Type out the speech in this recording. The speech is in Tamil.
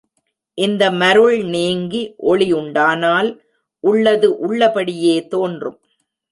இந்த மருள் நீங்கி ஒளி உண்டானால் உள்ளது உள்ளபடியே தோன்றும்.